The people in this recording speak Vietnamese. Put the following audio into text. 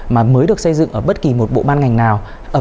mà mới được xây dựng ở bất kỳ một bộ ban ngành nào